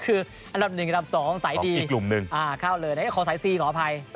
เอ้อค่อยเค้าเลยนะขอสายซีขออภัย